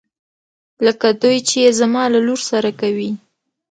لکه دوی چې يې زما له لور سره کوي.